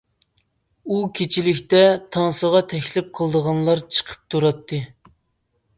ئۇ كېچىلىكتە تانسىغا تەكلىپ قىلىدىغانلار چىقىپ تۇراتتى.